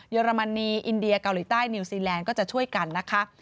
อรมนีอินเดียเกาหลีใต้นิวซีแลนด์ก็จะช่วยกันนะคะ